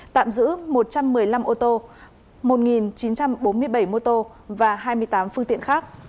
tạm giữ một trăm một mươi năm ô tô một chín trăm bốn mươi bảy mô tô và hai mươi tám phương tiện khác